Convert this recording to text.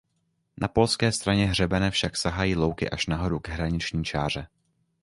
Na polské straně hřebene však sahají louky až nahoru k hraniční čáře.